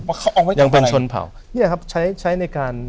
ว่าเขาเอาไว้ทำอะไรนี่นะครับใช้ในการ